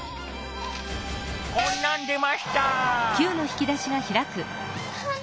こんなん出ました。